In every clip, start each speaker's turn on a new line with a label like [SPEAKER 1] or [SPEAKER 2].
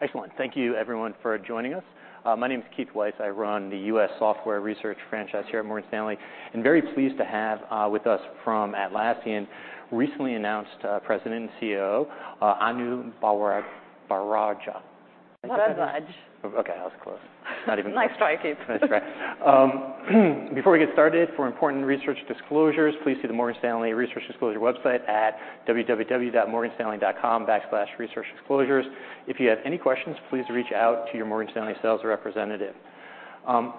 [SPEAKER 1] Excellent. Thank you everyone for joining us. My name is Keith Weiss. I run the U.S. Software Research franchise here at Morgan Stanley, and very pleased to have with us from Atlassian, recently announced President and COO, Anu Bharadwaj.
[SPEAKER 2] Baraj.
[SPEAKER 1] Okay, I was close. Not even close.
[SPEAKER 2] Nice try, Keith.
[SPEAKER 1] Nice try. Before we get started, for important research disclosures, please see the Morgan Stanley Research Disclosure website at www.morganstanley.com/researchdisclosures. If you have any questions, please reach out to your Morgan Stanley sales representative. Thank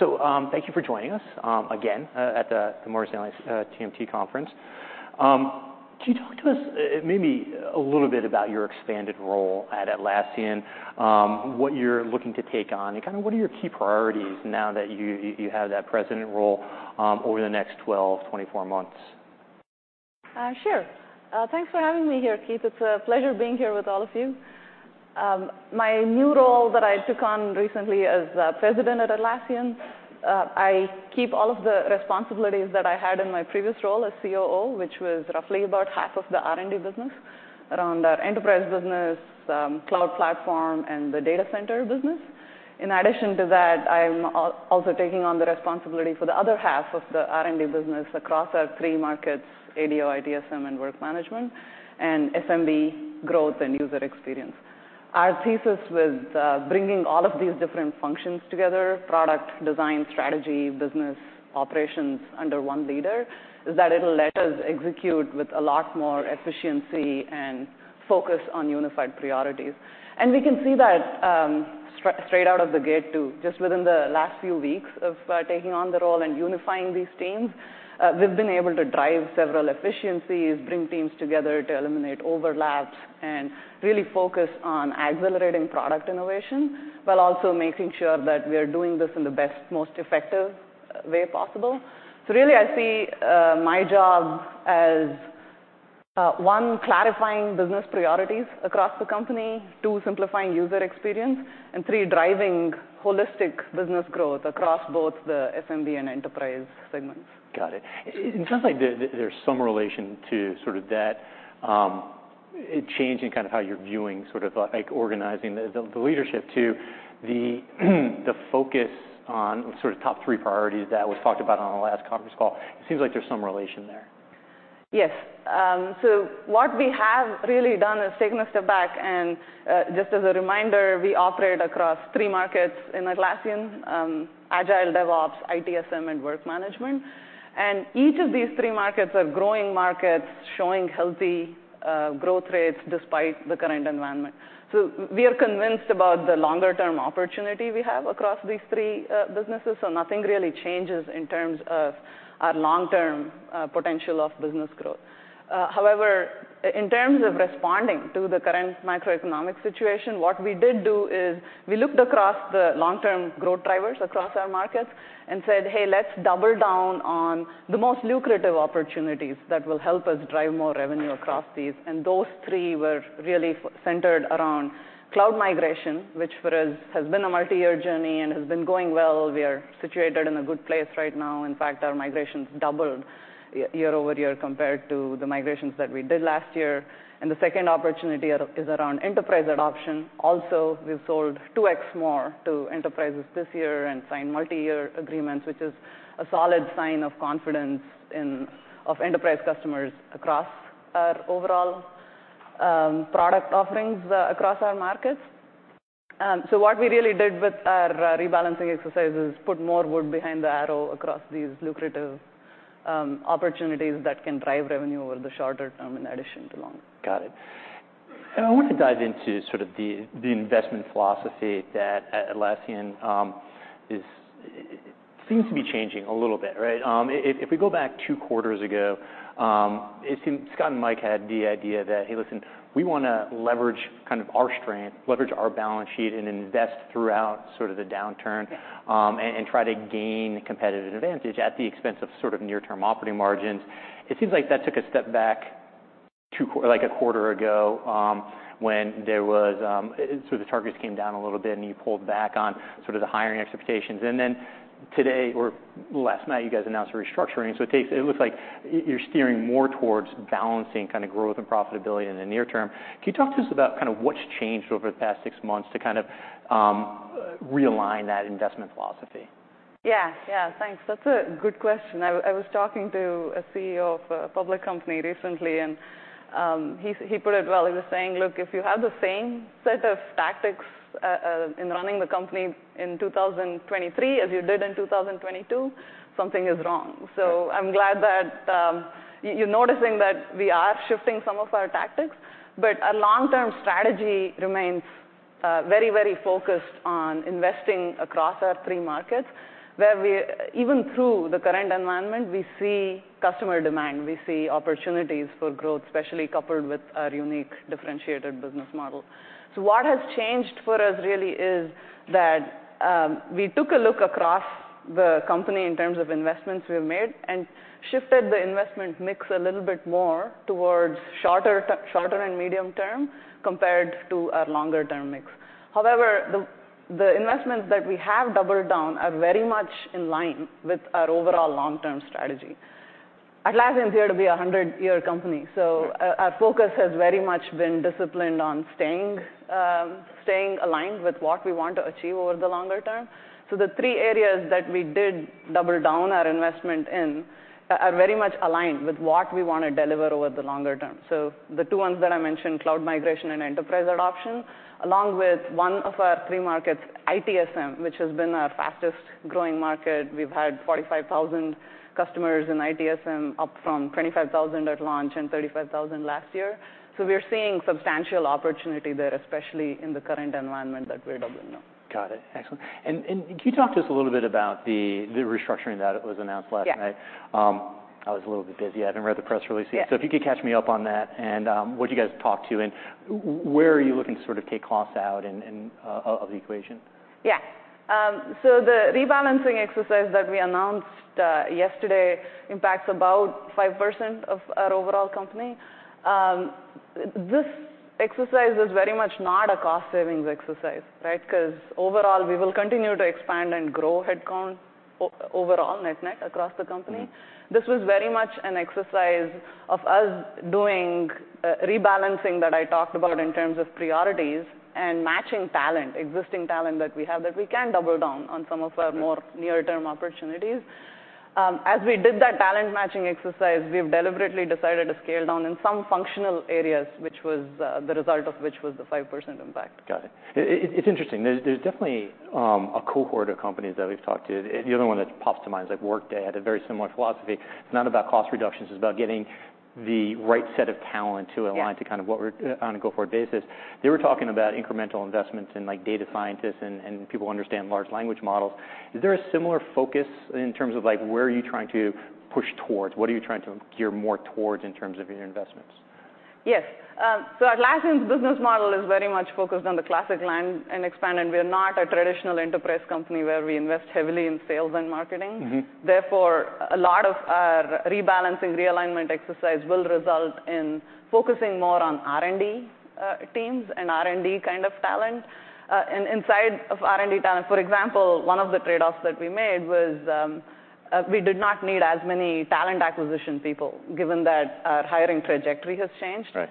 [SPEAKER 1] you for joining us again at the Morgan Stanley's TMT conference. Can you talk to us maybe a little bit about your expanded role at Atlassian, what you're looking to take on, and kinda what are your key priorities now that you have that president role over the next 12, 24 months?
[SPEAKER 2] Sure. Thanks for having me here, Keith. It's a pleasure being here with all of you. My new role that I took on recently as the President at Atlassian, I keep all of the responsibilities that I had in my previous role as COO, which was roughly about half of the R&D business around our enterprise business, cloud platform, and the Data Center business. In addition to that, I am also taking on the responsibility for the other half of the R&D business across our three markets, ADO, ITSM, and work management, and SMB growth and user experience. Our thesis with bringing all of these different functions together, product, design, strategy, business, operations, under one leader, is that it'll let us execute with a lot more efficiency and focus on unified priorities. We can see that straight out of the gate too. Just within the last few weeks of taking on the role and unifying these teams, we've been able to drive several efficiencies, bring teams together to eliminate overlaps, and really focus on accelerating product innovation, while also making sure that we're doing this in the best, most effective way possible. Really, I see my job as one, clarifying business priorities across the company, two, simplifying user experience, and three, driving holistic business growth across both the SMB and enterprise segments.
[SPEAKER 1] Got it. It sounds like there's some relation to sort of that, a change in kind of how you're viewing sort of, like, organizing the leadership to the focus on sort of top three priorities that was talked about on the last conference call. It seems like there's some relation there.
[SPEAKER 2] Yes. What we have really done is taken a step back and, just as a reminder, we operate across three markets in Atlassian, Agile DevOps, ITSM, and Work Management. Each of these three markets are growing markets showing healthy growth rates despite the current environment. We are convinced about the longer term opportunity we have across these three businesses, so nothing really changes in terms of our long-term potential of business growth. However, in terms of responding to the current macroeconomic situation, what we did do is we looked across the long-term growth drivers across our markets and said, "Hey, let's double down on the most lucrative opportunities that will help us drive more revenue across these." Those three were really centered around cloud migration, which for us has been a multi-year journey and has been going well. We are situated in a good place right now. In fact, our migration's doubled year-over-year compared to the migrations that we did last year. The second opportunity is around enterprise adoption. Also, we've sold two times more to enterprises this year and signed multi-year agreements, which is a solid sign of confidence of enterprise customers across our overall product offerings across our markets. What we really did with our rebalancing exercise is put more wood behind the arrow across these lucrative opportunities that can drive revenue over the shorter term in addition to longer.
[SPEAKER 1] Got it. I want to dive into sort of the investment philosophy that Atlassian is, seems to be changing a little bit, right? If we go back two quarters ago, it seems Scott and Mike had the idea that, "Hey, listen, we wanna leverage kind of our strength, leverage our balance sheet, and invest throughout sort of the downturn, and try to gain competitive advantage at the expense of sort of near-term operating margins." It seems like that took a step back like a quarter ago, when there was, so the targets came down a little bit and you pulled back on sort of the hiring expectations. Today or last night, you guys announced a restructuring. It looks like you're steering more towards balancing kind of growth and profitability in the near term. Can you talk to us about kinda what's changed over the past six months to kind of realign that investment philosophy?
[SPEAKER 2] Yeah. Yeah. Thanks. That's a good question. I was talking to a CEO of a public company recently, and he put it well. He was saying, "Look, if you have the same set of tactics in running the company in 2023 as you did in 2022, something is wrong." I'm glad that you're noticing that we are shifting some of our tactics. Our long-term strategy remains very, very focused on investing across our three markets, where even through the current environment, we see customer demand, we see opportunities for growth, especially coupled with our unique differentiated business model. What has changed for us really is that we took a look across the company in terms of investments we've made and shifted the investment mix a little bit more towards shorter and medium term compared to our longer term mix. However, the investments that we have doubled down are very much in line with our overall long-term strategy. Atlassian's here to be a 100-year company, our focus has very much been disciplined on staying aligned with what we want to achieve over the longer term. The three areas that we did double down our investment in are very much aligned with what we wanna deliver over the longer term. The two ones that I mentioned, cloud migration and enterprise adoption, along with one of our three markets, ITSM, which has been our fastest growing market. We've had 45,000 customers in ITSM up from 25,000 at launch and 35,000 last year. We are seeing substantial opportunity there, especially in the current environment that we're doubling down.
[SPEAKER 1] Got it. Excellent. Can you talk to us a little bit about the restructuring that was announced last night?
[SPEAKER 2] Yeah.
[SPEAKER 1] I was a little bit busy. I haven't read the press release yet.
[SPEAKER 2] Yeah.
[SPEAKER 1] If you could catch me up on that and, what'd you guys talk to, and where are you looking to sort of take costs out in of the equation?
[SPEAKER 2] Yeah. The rebalancing exercise that we announced yesterday impacts about 5% of our overall company. This exercise is very much not a cost savings exercise, right? 'Cause overall, we will continue to expand and grow headcount overall net across the company.
[SPEAKER 1] Mm-hmm.
[SPEAKER 2] This was very much an exercise of us doing, rebalancing that I talked about in terms of priorities and matching talent, existing talent that we have, that we can double down on some of our more near-term opportunities. As we did that talent matching exercise, we've deliberately decided to scale down in some functional areas, which was the result of which was the 5% impact.
[SPEAKER 1] Got it. It's interesting. There's definitely a cohort of companies that we've talked to. The other one that pops to mind is like Workday had a very similar philosophy. It's not about cost reductions. It's about getting the right set of talent to align.
[SPEAKER 2] Yeah.
[SPEAKER 1] To kind of what we're on a go-forward basis. They were talking about incremental investments in like data scientists and people who understand large language models. Is there a similar focus in terms of like where are you trying to push towards? What are you trying to gear more towards in terms of your investments?
[SPEAKER 2] Yes. Atlassian's business model is very much focused on the classic land and expand, and we are not a traditional enterprise company where we invest heavily in sales and marketing.
[SPEAKER 1] Mm-hmm.
[SPEAKER 2] A lot of our rebalancing, realignment exercise will result in focusing more on R&D teams and R&D kind of talent. Inside of R&D talent, for example, one of the trade-offs that we made was, we did not need as many talent acquisition people, given that our hiring trajectory has changed.
[SPEAKER 1] Right.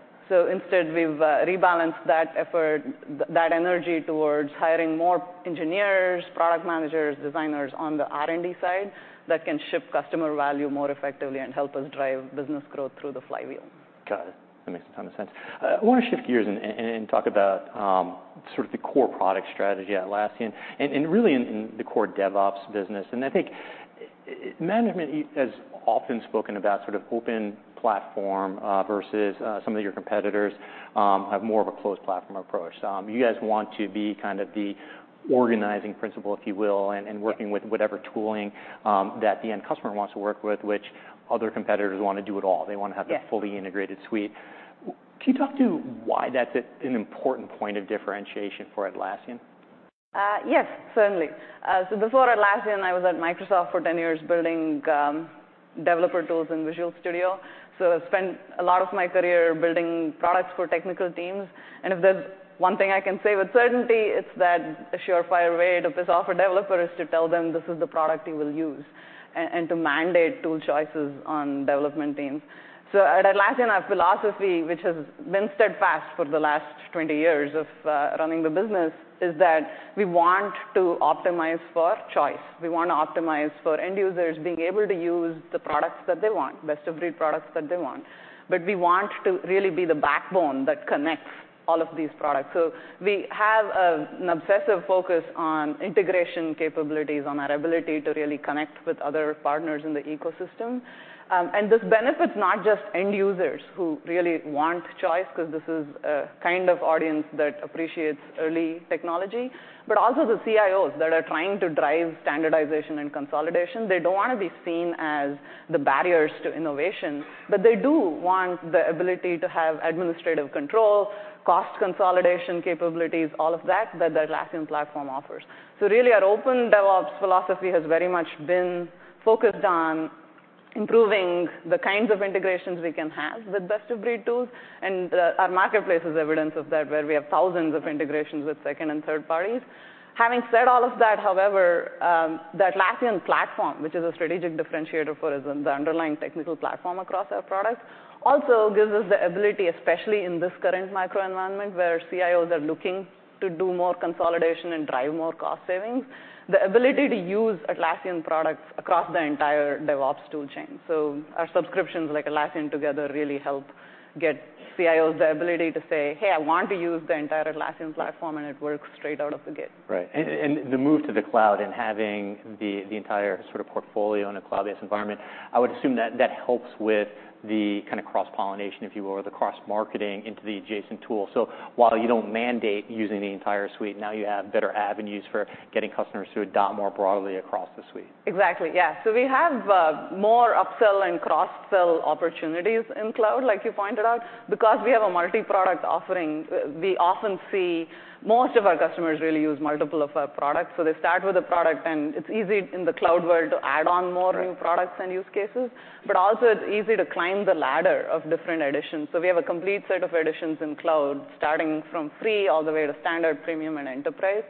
[SPEAKER 2] Instead, we've rebalanced that effort, that energy towards hiring more engineers, product managers, designers on the R&D side that can ship customer value more effectively and help us drive business growth through the flywheel.
[SPEAKER 1] Got it. That makes a ton of sense. I wanna shift gears and talk about sort of the core product strategy Atlassian and really in the core DevOps business, and I think management has often spoken about sort of open platform versus some of your competitors have more of a closed platform approach. You guys want to be kind of the organizing principle, if you will, and working.
[SPEAKER 2] Yeah.
[SPEAKER 1] With whatever tooling, that the end customer wants to work with, which other competitors wanna do it all.
[SPEAKER 2] Yeah.
[SPEAKER 1] The fully integrated suite. Can you talk to why that's an important point of differentiation for Atlassian?
[SPEAKER 2] Yes. Certainly. Before Atlassian, I was at Microsoft for 10 years building developer tools in Visual Studio. I've spent a lot of my career building products for technical teams, and if there's one thing I can say with certainty, it's that a surefire way to piss off a developer is to tell them this is the product you will use and to mandate tool choices on development teams. At Atlassian, our philosophy, which has been steadfast for the last 20 years of running the business, is that we want to optimize for choice. We wanna optimize for end users being able to use the products that they want, best-of-breed products that they want. We want to really be the backbone that connects all of these products. We have an obsessive focus on integration capabilities, on our ability to really connect with other partners in the ecosystem. This benefits not just end users who really want choice, 'cause this is a kind of audience that appreciates early technology, but also the CIOs that are trying to drive standardization and consolidation. They don't wanna be seen as the barriers to innovation, but they do want the ability to have administrative control, cost consolidation capabilities, all of that the Atlassian platform offers. Really, our Open DevOps philosophy has very much been focused on improving the kinds of integrations we can have with best-of-breed tools, and our marketplace is evidence of that, where we have thousands of integrations with second and third parties. Having said all of that, however, the Atlassian platform, which is a strategic differentiator for us and the underlying technical platform across our products, also gives us the ability, especially in this current macro environment, where CIOs are looking to do more consolidation and drive more cost savings, the ability to use Atlassian products across the entire DevOps tool chain. Our subscriptions, like Atlassian Together, really help get CIOs the ability to say, "Hey, I want to use the entire Atlassian platform," and it works straight out of the gate.
[SPEAKER 1] Right. The move to the cloud and having the entire sort of portfolio in a cloud-based environment, I would assume that helps with the kind of cross-pollination, if you will, or the cross-marketing into the adjacent tool. While you don't mandate using the entire suite, now you have better avenues for getting customers to adopt more broadly across the suite?
[SPEAKER 2] Exactly, yeah. We have more upsell and cross-sell opportunities in cloud, like you pointed out. We have a multi-product offering, we often see most of our customers really use multiple of our products. They start with a product, and it's easy in the cloud world to add on more.
[SPEAKER 1] Right.
[SPEAKER 2] New products and use cases, but also it's easy to climb the ladder of different editions. We have a complete set of editions in cloud, starting from free all the way to standard, Premium, and Enterprise.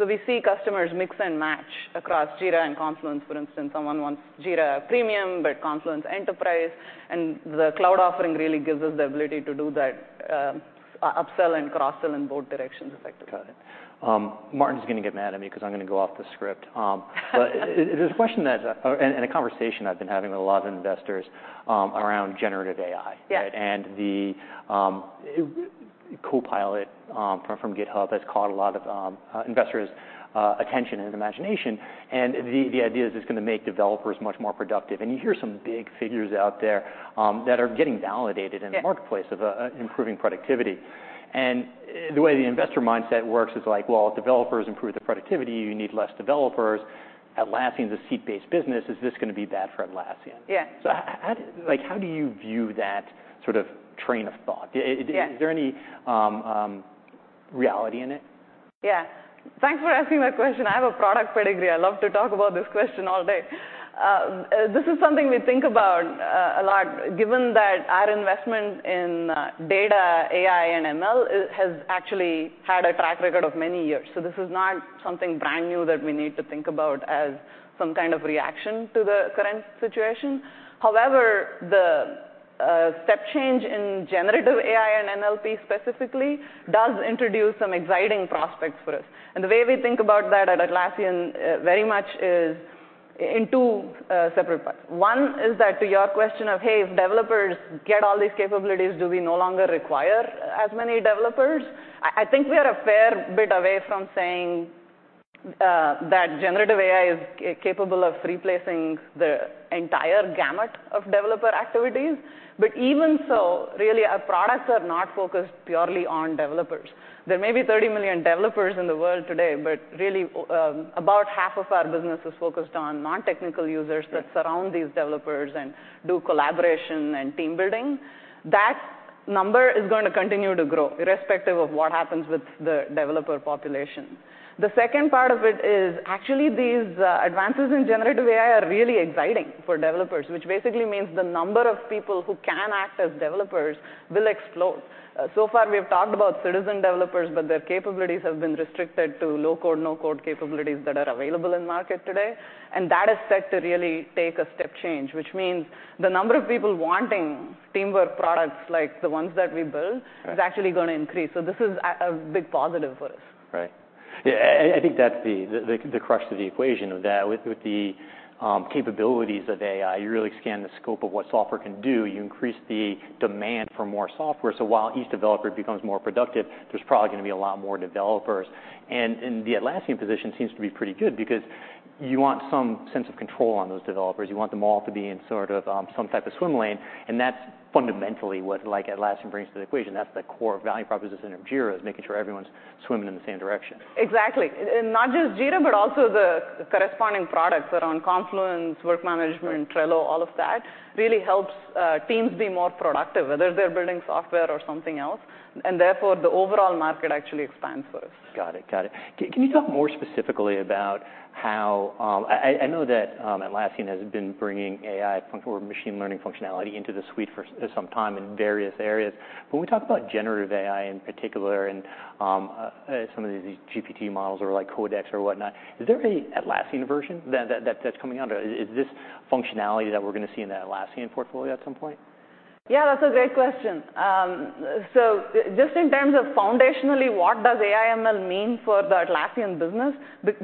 [SPEAKER 2] We see customers mix and match across Jira and Confluence. For instance, someone wants Jira Premium, but Confluence Enterprise, and the cloud offering really gives us the ability to do that upsell and cross-sell in both directions effectively.
[SPEAKER 1] Got it. Martin's gonna get mad at me 'cause I'm gonna go off the script. There's a question that, and a conversation I've been having with a lot of investors, around generative AI.
[SPEAKER 2] Yeah.
[SPEAKER 1] Right? The Copilot from GitHub has caught a lot of investors' attention and imagination, and the idea is it's gonna make developers much more productive. You hear some big figures out there that are getting validated.
[SPEAKER 2] Yeah.
[SPEAKER 1] In the marketplace of improving productivity. The way the investor mindset works is like, well, if developers improve the productivity, you need less developers. Atlassian's a seat-based business, is this gonna be bad for Atlassian?
[SPEAKER 2] Yeah.
[SPEAKER 1] How, like, how do you view that sort of train of thought?
[SPEAKER 2] Yeah.
[SPEAKER 1] Is there any reality in it?
[SPEAKER 2] Yeah. Thanks for asking that question. I have a product pedigree. I love to talk about this question all day. This is something we think about a lot given that our investment in data, AI, and ML has actually had a track record of many years. This is not something brand new that we need to think about as some kind of reaction to the current situation. However, the step change in generative AI and NLP specifically does introduce some exciting prospects for us. The way we think about that at Atlassian very much is in two separate parts. One is that to your question of, hey, if developers get all these capabilities, do we no longer require as many developers? I think we are a fair bit away from saying that generative AI is capable of replacing the entire gamut of developer activities, but even so, really our products are not focused purely on developers. There may be 30 million developers in the world today, but really, about half of our business is focused on non-technical users.
[SPEAKER 1] Yeah.
[SPEAKER 2] That surround these developers and do collaboration and team building. That number is going to continue to grow irrespective of what happens with the developer population. The second part of it is actually these advances in generative AI are really exciting for developers, which basically means the number of people who can act as developers will explode. So far we have talked about citizen developers, but their capabilities have been restricted to low-code, no-code capabilities that are available in market today, and that is set to really take a step change, which means the number of people wanting teamwork products like the ones that we build.
[SPEAKER 1] Right.
[SPEAKER 2] Is actually gonna increase. This is a big positive for us.
[SPEAKER 1] Right. Yeah. I think that's the crux to the equation, of that with the capabilities of AI, you really expand the scope of what software can do, you increase the demand for more software. While each developer becomes more productive, there's probably gonna be a lot more developers. The Atlassian position seems to be pretty good because you want some sense of control on those developers. You want them all to be in sort of some type of swim lane, and that's fundamentally what, like, Atlassian brings to the equation. That's the core value proposition of Jira, is making sure everyone's swimming in the same direction.
[SPEAKER 2] Exactly. Not just Jira, but also the corresponding products around Confluence, work management.
[SPEAKER 1] Right.
[SPEAKER 2] Trello, all of that really helps teams be more productive, whether they're building software or something else, and therefore the overall market actually expands for us.
[SPEAKER 1] Got it. Got it. Can you talk more specifically about how I know that Atlassian has been bringing AI or machine learning functionality into the suite for some time in various areas. When we talk about generative AI in particular and some of the GPT models or, like, Codex or whatnot, is there an Atlassian version that's coming out? Is this functionality that we're gonna see in the Atlassian portfolio at some point?
[SPEAKER 2] Yeah, that's a great question. Just in terms of foundationally what does AI/ML mean for the Atlassian business,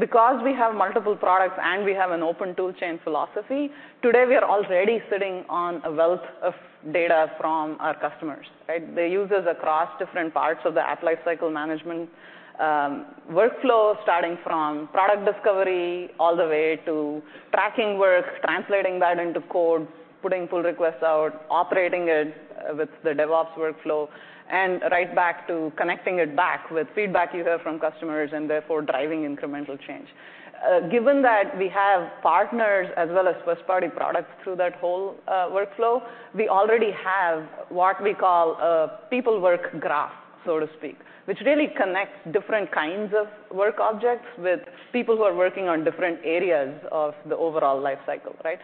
[SPEAKER 2] because we have multiple products and we have an open tool chain philosophy, today we are already sitting on a wealth of data from our customers, right? They're users across different parts of the app life cycle management workflow, starting from product discovery all the way to tracking work, translating that into code, putting pull requests out, operating it with the DevOps workflow, and right back to connecting it back with feedback you hear from customers, and therefore driving incremental change. Given that we have partners as well as first party products through that whole workflow, we already have what we call a people work graph, so to speak, which really connects different kinds of work objects with people who are working on different areas of the overall life cycle, right?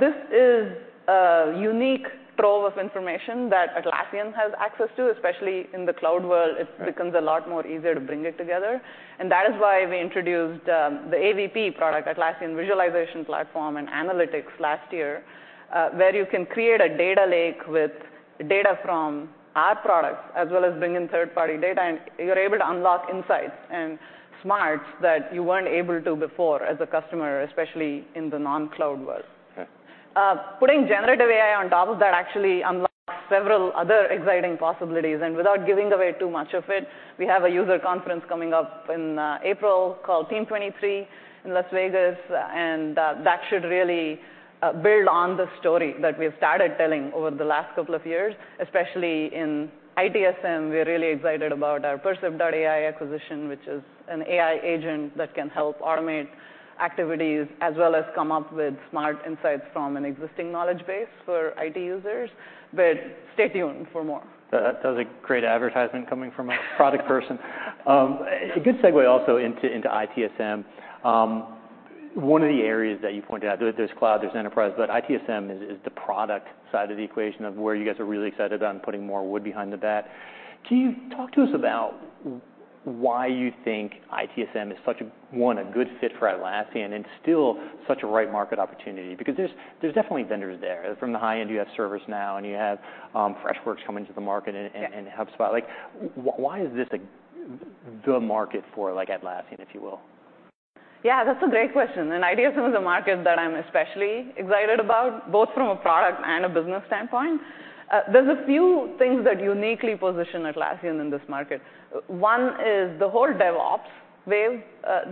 [SPEAKER 2] This is a unique trove of information that Atlassian has access to, especially in the cloud world.
[SPEAKER 1] Right.
[SPEAKER 2] It becomes a lot more easier to bring it together. That is why we introduced the AVP product, Atlassian Visualization Platform and Analytics, last year, where you can create a data lake with data from our products as well as bring in third-party data. You're able to unlock insights and smarts that you weren't able to before as a customer, especially in the non-cloud world.
[SPEAKER 1] Okay.
[SPEAKER 2] Putting generative AI on top of that actually unlocks several other exciting possibilities. Without giving away too much of it, we have a user conference coming up in April called Team '23 in Las Vegas, and that should really build on the story that we have started telling over the last couple of years. Especially in ITSM, we are really excited about our Percept.AI acquisition, which is an AI agent that can help automate activities as well as come up with smart insights from an existing knowledge base for IT users. Stay tuned for more.
[SPEAKER 1] That was a great advertisement coming from a product person. A good segue also into ITSM. One of the areas that you pointed out, there's cloud, there's enterprise. ITSM is the product side of the equation of where you guys are really excited on putting more wood behind the bat. Can you talk to us about why you think ITSM is such a, one, a good fit for Atlassian and still such a right market opportunity? There's definitely vendors there. From the high end you have ServiceNow and you have Freshworks come into the market.
[SPEAKER 2] Yeah.
[SPEAKER 1] And HubSpot. Like, why is this the market for, like, Atlassian, if you will?
[SPEAKER 2] Yeah, that's a great question. ITSM is a market that I'm especially excited about, both from a product and a business standpoint. There's a few things that uniquely position Atlassian in this market. One is the whole DevOps wave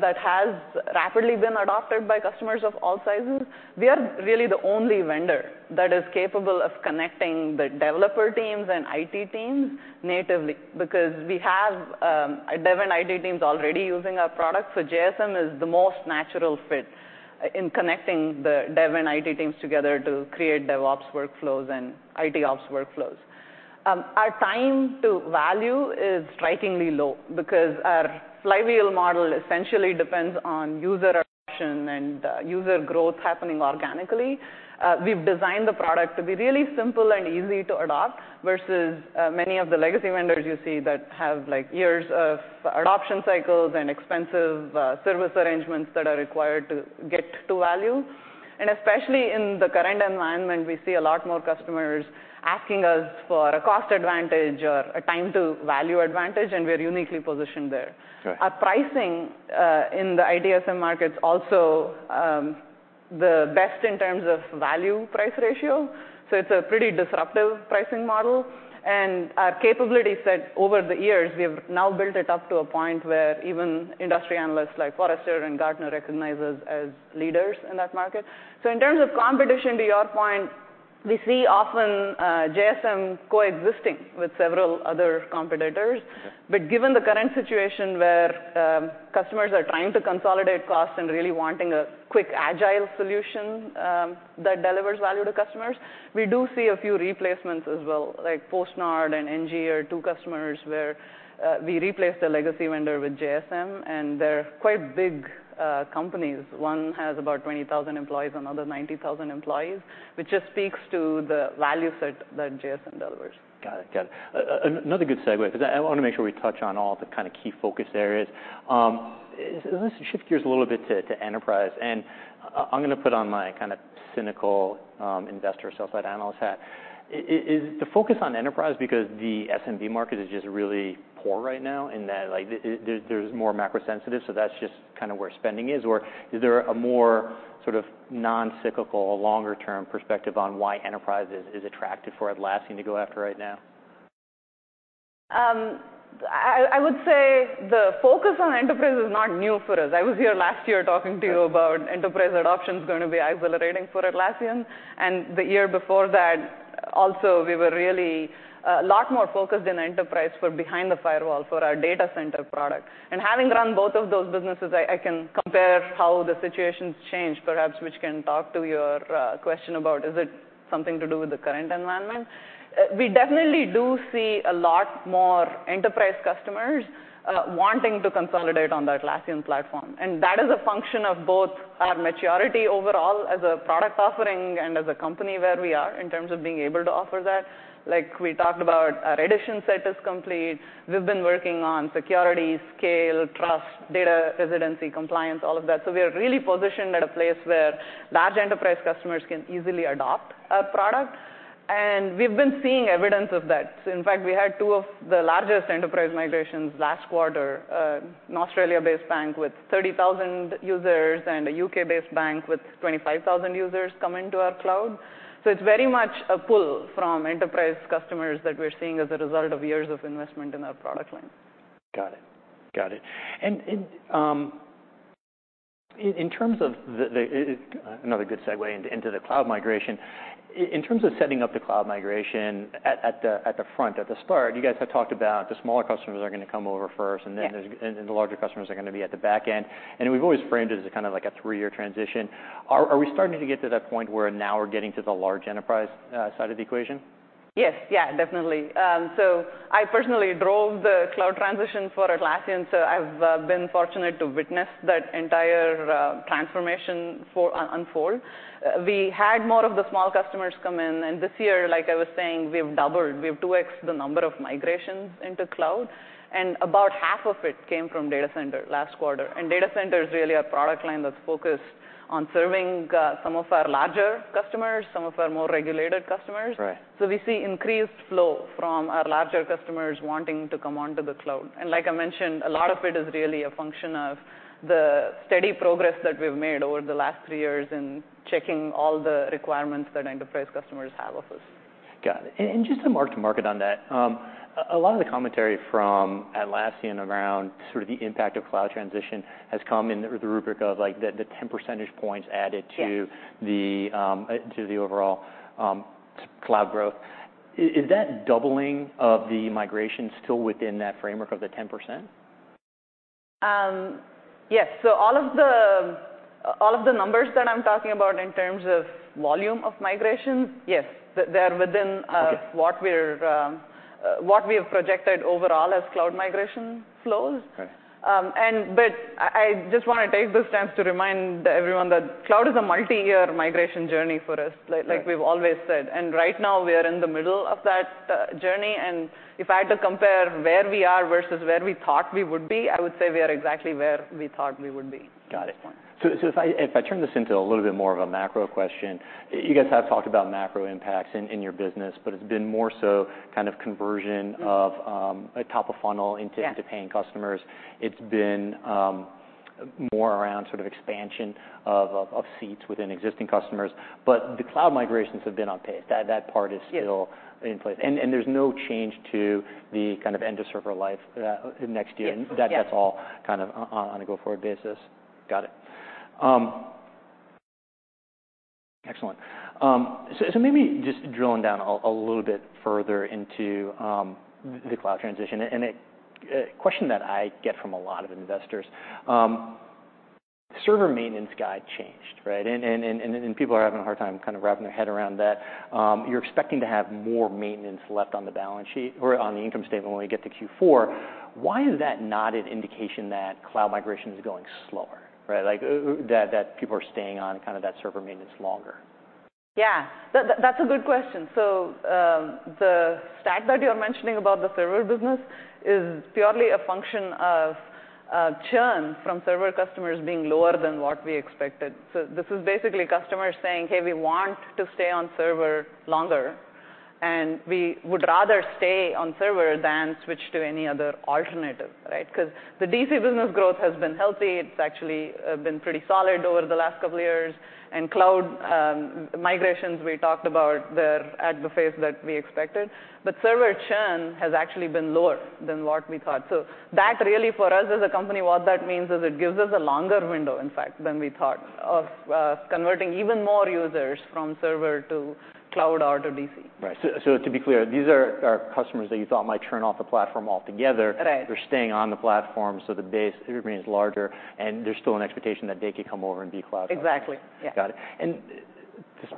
[SPEAKER 2] that has rapidly been adopted by customers of all sizes. We are really the only vendor that is capable of connecting the developer teams and IT teams natively because we have dev and IT teams already using our product. JSM is the most natural fit in connecting the dev and IT teams together to create DevOps workflows and IT ops workflows. Our time to value is strikingly low because our flywheel model essentially depends on user adoption and user growth happening organically. We've designed the product to be really simple and easy to adopt versus many of the legacy vendors you see that have, like, years of adoption cycles and expensive service arrangements that are required to get to value. Especially in the current environment, we see a lot more customers asking us for a cost advantage or a time-to-value advantage, and we're uniquely positioned there.
[SPEAKER 1] Sure.
[SPEAKER 2] Our pricing, in the ITSM market's also, the best in terms of value-price ratio, so it's a pretty disruptive pricing model. Our capability set over the years, we have now built it up to a point where even industry analysts like Forrester and Gartner recognize us as leaders in that market. In terms of competition, to your point, we see often, JSM coexisting with several other competitors.
[SPEAKER 1] Okay.
[SPEAKER 2] Given the current situation where customers are trying to consolidate costs and really wanting a quick Agile solution, that delivers value to customers, we do see a few replacements as well, like PostNord and Engie are two customers where we replaced a legacy vendor with JSM, and they're quite big companies. One has about 20,000 employees, another 90,000 employees, which just speaks to the value set that JSM delivers.
[SPEAKER 1] Got it. Got it. another good segue, 'cause I wanna make sure we touch on all the kinda key focus areas. Let's shift gears a little bit to enterprise, and I'm gonna put on my kinda cynical, investor/sell-side analyst hat. Is the focus on enterprise because the SMB market is just really poor right now in that, like, there's more macro sensitive, so that's just kinda where spending is, or is there a more sort of non-cyclical or longer term perspective on why enterprise is attractive for Atlassian to go after right now?
[SPEAKER 2] I would say the focus on enterprise is not new for us. I was here last year talking to you about enterprise adoption's gonna be exhilarating for Atlassian, and the year before that also we were really a lot more focused in enterprise for behind the firewall for our data center products. Having run both of those businesses, I can compare how the situation's changed, perhaps which can talk to your question about is it something to do with the current environment. We definitely do see a lot more enterprise customers wanting to consolidate on the Atlassian platform, and that is a function of both our maturity overall as a product offering and as a company where we are in terms of being able to offer that. Like, we talked about our edition set is complete. We've been working on security, scale, trust, data residency, compliance, all of that. We are really positioned at a place where large enterprise customers can easily adopt a product, and we've been seeing evidence of that. In fact, we had two of the largest enterprise migrations last quarter, an Australia-based bank with 30,000 users and a U.K.-based bank with 25,000 users come into our cloud. It's very much a pull from enterprise customers that we're seeing as a result of years of investment in our product line.
[SPEAKER 1] Got it. In terms of the another good segue into the cloud migration. In terms of setting up the cloud migration at the front, at the start, you guys had talked about the smaller customers are gonna come over first, and then.
[SPEAKER 2] Yeah.
[SPEAKER 1] The larger customers are gonna be at the back end. We've always framed it as a kinda like a three-year transition. Are we starting to get to that point where now we're getting to the large enterprise side of the equation?
[SPEAKER 2] Yes. Yeah, definitely. I personally drove the cloud transition for Atlassian, I've been fortunate to witness that entire transformation for unfold. We had more of the small customers come in, this year, like I was saying, we've doubled. We have 2x the number of migrations into cloud, about half of it came from Data Center last quarter. Data Center is really a product line that's focused on serving some of our larger customers, some of our more regulated customers.
[SPEAKER 1] Right.
[SPEAKER 2] We see increased flow from our larger customers wanting to come onto the cloud. Like I mentioned, a lot of it is really a function of the steady progress that we've made over the last three years in checking all the requirements that enterprise customers have of us.
[SPEAKER 1] Got it. Just to mark to market on that, a lot of the commentary from Atlassian around sort of the impact of cloud transition has come in the rubric of, like, 10 percentage points added to.
[SPEAKER 2] Yeah.
[SPEAKER 1] The, to the overall, cloud growth. Is that doubling of the migration still within that framework of the 10%?
[SPEAKER 2] Yes. All of the numbers that I'm talking about in terms of volume of migrations, yes. They are within.
[SPEAKER 1] Okay.
[SPEAKER 2] What we're, what we have projected overall as cloud migration flows.
[SPEAKER 1] Okay.
[SPEAKER 2] I just wanna take this chance to remind everyone that cloud is a multi-year migration journey for us, like we've always said. Right now we are in the middle of that journey, and if I had to compare where we are versus where we thought we would be, I would say we are exactly where we thought we would be at this point.
[SPEAKER 1] If I turn this into a little bit more of a macro question, you guys have talked about macro impacts in your business, but it's been more so kind of conversion of a top of funnel.
[SPEAKER 2] Yeah.
[SPEAKER 1] To paying customers. It's been more around sort of expansion of seats within existing customers. The cloud migrations have been on pace. That part is still.
[SPEAKER 2] Yes.
[SPEAKER 1] On place. There's no change to the kind of end of server life next year.
[SPEAKER 2] Yes. Yeah.
[SPEAKER 1] That's all kind of on a go-forward basis? Got it. Excellent. So maybe just drilling down a little bit further into the cloud transition, and a question that I get from a lot of investors. Server maintenance guide changed, right? People are having a hard time kind of wrapping their head around that. You're expecting to have more maintenance left on the balance sheet or on the income statement when we get to Q4. Why is that not an indication that cloud migration is going slower, right? Like, that people are staying on kind of that server maintenance longer?
[SPEAKER 2] Yeah. That's a good question. The stack that you're mentioning about the server business is purely a function of churn from server customers being lower than what we expected. This is basically customers saying, "Hey, we want to stay on server longer, and we would rather stay on server than switch to any other alternative." Right? 'Cause the DC business growth has been healthy. It's actually been pretty solid over the last couple years. Cloud migrations, we talked about they're at the pace that we expected. Server churn has actually been lower than what we thought. That really for us as a company, what that means is it gives us a longer window, in fact, than we thought of converting even more users from server to cloud or to DC.
[SPEAKER 1] Right. To be clear, these are customers that you thought might churn off the platform altogether.
[SPEAKER 2] Right.
[SPEAKER 1] They're staying on the platform, so the base, everything is larger, and there's still an expectation that they could come over and be cloud.
[SPEAKER 2] Exactly, yeah.
[SPEAKER 1] Got it. This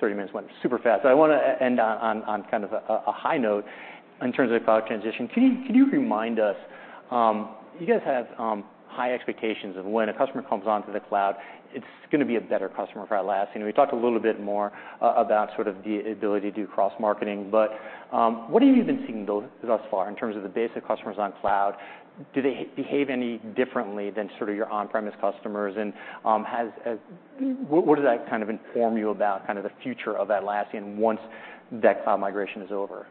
[SPEAKER 1] 30 minutes went super fast. I wanna end on kind of a high note in terms of cloud transition. Can you remind us? You guys have high expectations of when a customer comes onto the cloud, it's gonna be a better customer for Atlassian. We talked a little bit more about sort of the ability to do cross-marketing. What have you been seeing thus far in terms of the basic customers on cloud? Do they behave any differently than sort of your on-premise customers? What does that kind of inform you about kind of the future of Atlassian once that cloud migration is over?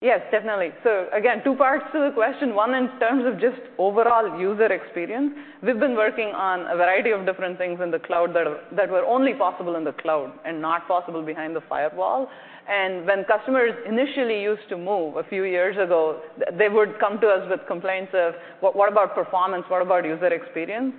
[SPEAKER 2] Yes, definitely. Again, two parts to the question. One, in terms of just overall user experience. We've been working on a variety of different things in the cloud that were only possible in the cloud and not possible behind the firewall. When customers initially used to move a few years ago, they would come to us with complaints of, "What about performance? What about user experience?"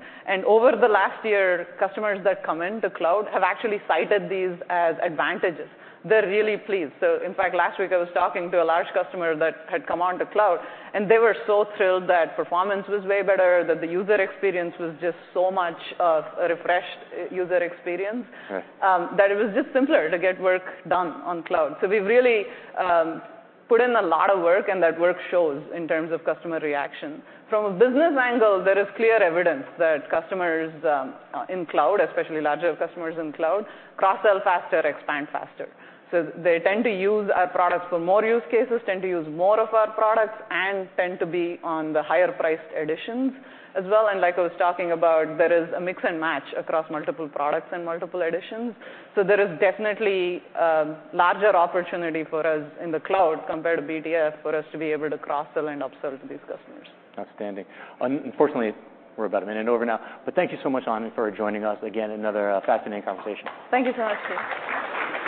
[SPEAKER 2] Over the last year, customers that come into cloud have actually cited these as advantages. They're really pleased. In fact, last week I was talking to a large customer that had come onto cloud, and they were so thrilled that performance was way better, that the user experience was just so much of a refreshed user experience.
[SPEAKER 1] Right.
[SPEAKER 2] That it was just simpler to get work done on cloud. We've really put in a lot of work, and that work shows in terms of customer reaction. From a business angle, there is clear evidence that customers in cloud, especially larger customers in cloud, cross-sell faster, expand faster. They tend to use our products for more use cases, tend to use more of our products, and tend to be on the higher-priced editions as well. Like I was talking about, there is a mix and match across multiple products and multiple editions. There is definitely larger opportunity for us in the cloud compared to [BDF] for us to be able to cross-sell and up-sell to these customers.
[SPEAKER 1] Outstanding. Unfortunately, we're about a minute over now, but thank you so much, Anu, for joining us. Again, another, fascinating conversation.
[SPEAKER 2] Thank you so much, Keith.